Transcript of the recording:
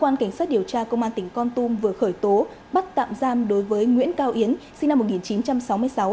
cơ quan cảnh sát điều tra công an tỉnh con tum vừa khởi tố bắt tạm giam đối với nguyễn cao yến sinh năm một nghìn chín trăm sáu mươi sáu